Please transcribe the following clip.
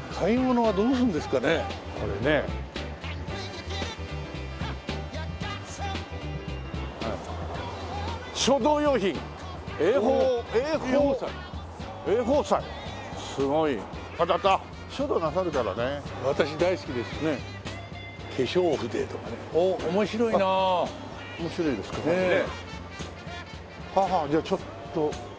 ははあじゃあちょっと。